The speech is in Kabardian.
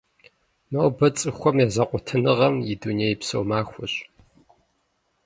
Нобэ цӀыхухэм я зэкъуэтыныгъэм и дунейпсо махуэщ.